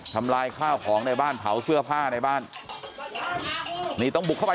ทำลายข้าวของในบ้านเผาเสื้อผ้าในบ้านนี่ต้องบุกเข้าไป